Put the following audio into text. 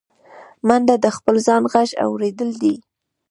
منډه د خپل ځان غږ اورېدل دي